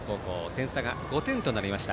点差が５点となりました。